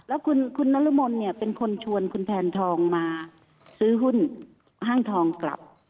แล้วคุณนรมนเนี่ยเป็นคนชวนคุณแทนทองมาซื้อหุ้นห้างทองกลับ